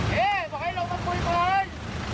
เฮ้ยบอกให้ลองกับคุยก่อน